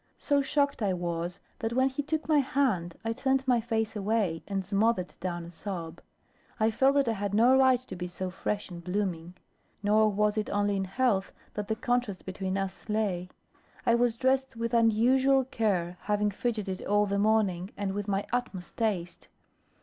So shocked I was, that when he took my hand, I turned my face away and smothered down a sob. I felt that I had no right to be so fresh and blooming. Nor was it only in health that the contrast between us lay. I was dressed with unusual care, having fidgeted all the morning, and with my utmost taste.